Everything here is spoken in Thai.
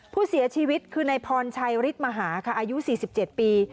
ผู้เสียชีวิตคือนายพรชัยฤทธิมหาค่ะอายุ๔๗ปี